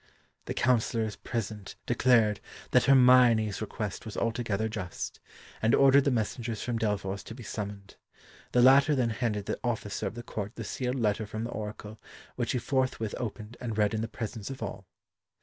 The councillors present declared that Hermione's request was altogether just, and ordered the messengers from Delphos to be summoned. The latter then handed to the officer of the court the sealed letter from the Oracle, which he forthwith opened and read in the presence of all.